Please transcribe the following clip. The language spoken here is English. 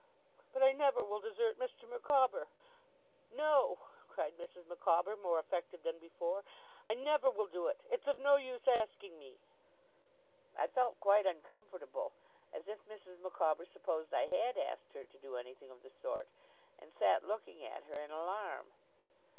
But I never will desert Mr. Micawber. No!' cried Mrs. Micawber, more affected than before, 'I never will do it! It's of no use asking me!' I felt quite uncomfortable as if Mrs. Micawber supposed I had asked her to do anything of the sort! and sat looking at her in alarm. 'Mr.